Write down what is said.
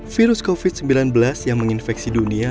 virus covid sembilan belas yang menginfeksi dunia